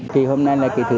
kỳ hôm nay là kỳ thứ tám